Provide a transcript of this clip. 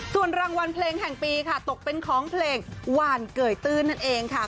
ส่วนรางวัลเพลงแห่งปีค่ะตกเป็นของเพลงหวานเกยตื้นนั่นเองค่ะ